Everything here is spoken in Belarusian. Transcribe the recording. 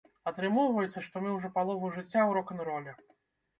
Атрымоўваецца, што мы ўжо палову жыцця ў рок-н-роле!